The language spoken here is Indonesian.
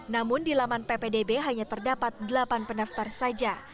namun di laman ppdb hanya terdapat delapan pendaftar saja